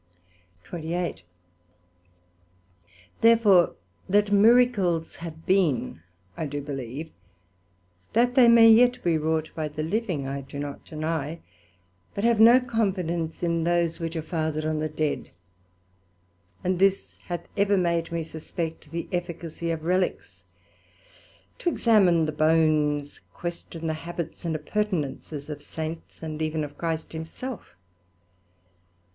SECT.28 Therefore that Miracles have been, I do believe; that they may yet be wrought by the living, I do not deny: but have no confidence in those which are fathered on the dead; and this hath ever made me suspect the efficacy of reliques, to examine the bones, question the habits and appurtenances of Saints, and even of Christ himself.